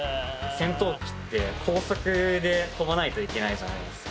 戦闘機って高速で飛ばないといけないじゃないですか。